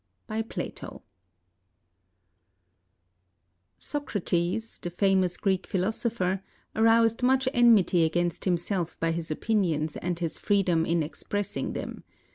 ] BY PLATO [Socrates, the famous Greek philosopher, aroused much enmity against himself by his opinions and his freedom in expressing them.